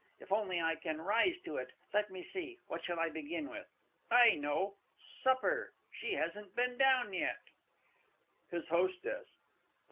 If only I can rise to it. Let me see what shall I begin with? I know Supper! She hasn't been down yet. HIS HOSTESS.